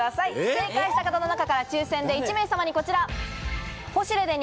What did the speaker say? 正解した方の中から抽選で１名さまにこちら。